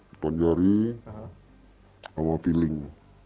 kekuatan jari sama feeling